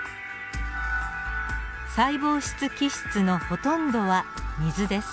細胞質基質のほとんどは水です。